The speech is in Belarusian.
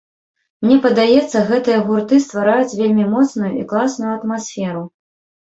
Мне падаецца, гэтыя гурты ствараюць вельмі моцную і класную атмасферу.